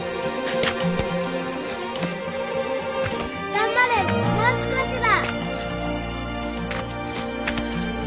頑張れもう少しだ。